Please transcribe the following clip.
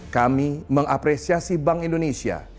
kami mengapresiasi bank indonesia